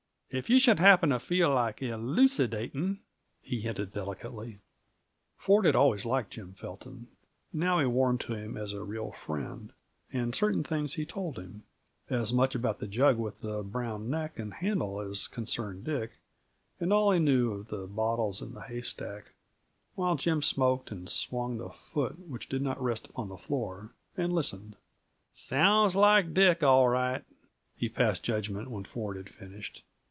If you should happen to feel like elucidating " he hinted delicately. Ford had always liked Jim Felton; now he warmed to him as a real friend, and certain things he told him. As much about the jug with the brown neck and handle as concerned Dick, and all he knew of the bottles in the haystack, while Jim smoked, and swung the foot which did not rest upon the floor, and listened. "Sounds like Dick, all right," he passed judgment, when Ford had finished.